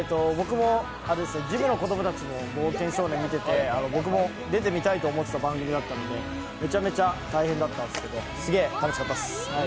ジムの子供たちも「冒険少年」を見てて、僕も出てみたいと思っていた番組だったので、メチャメチャ大変だったんですけど、すげえ楽しかったです。